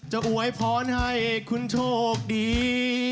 โดยอวยปร้อนให้คุณโชคดี